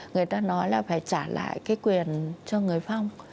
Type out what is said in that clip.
người ta nói là phải trả lại cái quyền cho người phong